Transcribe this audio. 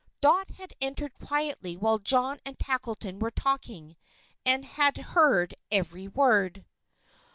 Dot had entered quietly while John and Tackleton were talking, and had heard every word.